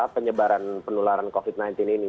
penyebaran penularan covid sembilan belas ini